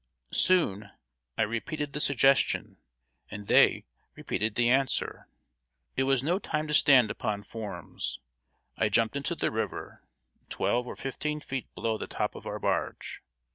Soon, I repeated the suggestion, and they repeated the answer. It was no time to stand upon forms. I jumped into the river twelve or fifteen feet below the top of our barge.